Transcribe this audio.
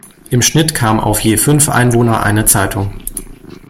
Im Schnitt kam auf je fünf Einwohner eine Zeitung.